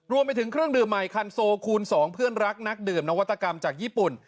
รวมไปถึงเครื่องดื่มใหม่คันโซคูณ๒เพื่อนรักนักดื่มนวัตกรรมจากญี่ปุ่น